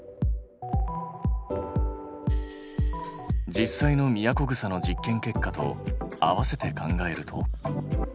実際のミヤコグサの実験結果と合わせて考えると。